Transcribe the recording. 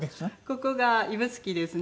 ここが指宿ですね。